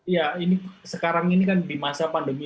iya ini sekarang ini kan di masa masa ini ini masih cukup tinggi